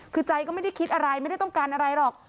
คือใจก็ไม่ได้คิดอะไรไม่ได้ต้องการอะไรหรอก